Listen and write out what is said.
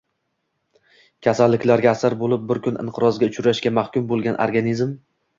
kasalliklarga asir bo‘lib, bir kun inqirozga uchrashga mahkum bo‘lgan organizm.